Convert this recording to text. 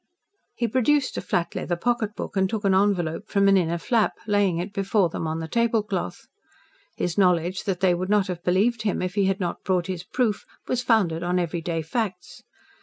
He produced a flat leather pocketbook and took an envelope from an inner flap, laying it before them on the tablecloth. His knowledge that they would not have believed him if he had not brought his proof was founded on everyday facts.